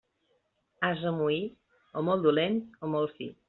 Ase moí, o molt dolent o molt fi.